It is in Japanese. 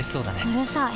うるさい。